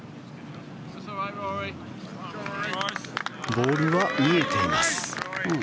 ボールは見えています。